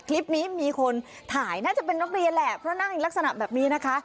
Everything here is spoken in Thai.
คลิปนี้มีคนถ่ายน่าจะเป็นนักเรียนแหละเพราะนั่งลักษณะแบบนี้นะคะ